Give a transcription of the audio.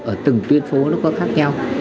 ở từng tuyên phố nó có khác nhau